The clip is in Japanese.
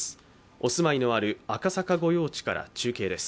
お住まいのある赤坂御用地から中継です。